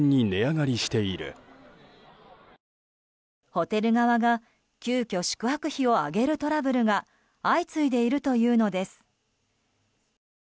ホテル側が急きょ宿泊費を上げるトラブルが相次いでいるというのです。